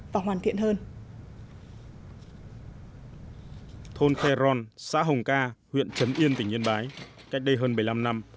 và hoàn thiện hơn thôn khe ron xã hồng ca huyện trấn yên tỉnh yên bái cách đây hơn bảy mươi năm năm